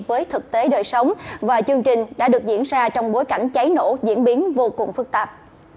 với thực tế đời sống và chương trình đã được diễn ra trong bối cảnh cháy nổ diễn biến vô cùng phức tạp